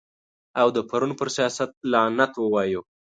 او د پرون پر سیاست لعنت ووایو.